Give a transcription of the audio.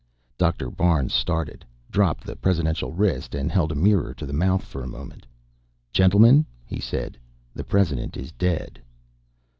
Dr. Barnes started, dropped the presidential wrist and held a mirror to the mouth for a moment. "Gentlemen," he said, "the President is dead."